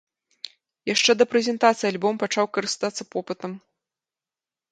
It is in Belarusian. Яшчэ да прэзентацыі альбом пачаў карыстацца попытам.